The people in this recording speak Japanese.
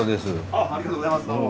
ありがとうございますどうも。